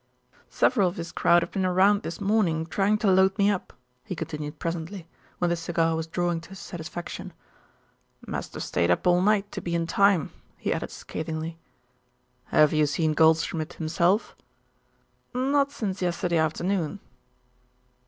"Several of his crowd have been around this morning trying to load me up," he continued presently, when the cigar was drawing to his satisfaction. "Must have stayed up all night to be in time," he added scathingly. "Have you seen Goldschmidt himself?" "Not since yesterday afternoon."